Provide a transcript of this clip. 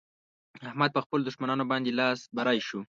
احمد په خپلو دښمانانو باندې لاس بری شو.